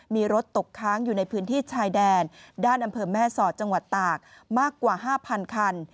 มีรถตกค้างอยู่ในพื้นที่ชายแดนด้านอำเภอแม่สอดจังหวัดตากมากกว่า๕๐๐คัน